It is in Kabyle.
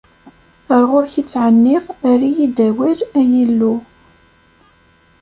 Ar ɣur-k i ttɛenniɣ, err-iyi-d awal, a Illu!